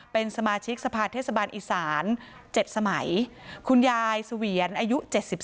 เป็นสมาชิกสภาเทศบาลอีสาน๗สมัยคุณยายเสวียนอายุ๗๒